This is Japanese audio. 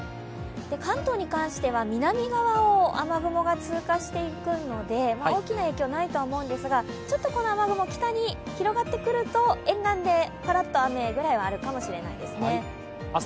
関東に関しては南側を雨雲が通過していくので大きな影響はないとは思うんですが、ちょっとこの雨雲、北に広がってくると沿岸でぱらっと雨ぐらいはあるかもしれませんね。